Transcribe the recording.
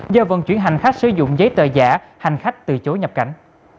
do vận chuyển hành khách sử dụng giấy tờ giả hành khách từ chối nhập cảnh